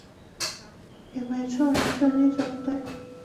也被称为射击者部队。